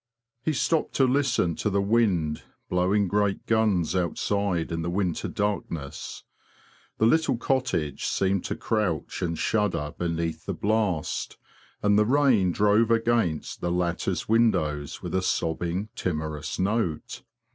He stopped to listen to the wind, blowing great guns outside in the winter darkness. The little cottage seemed to crouch and shudder beneath the blast, and the rain drove against the lattice windows with a sobbing, timorous note.